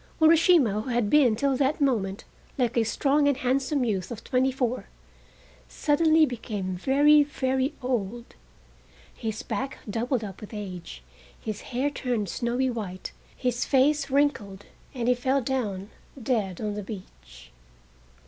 Urashima, who had been till that moment like a strong and handsome youth of twenty four, suddenly became very, very old. His back doubled up with age, his hair turned snowy white, his face wrinkled and he fell down dead on the beach.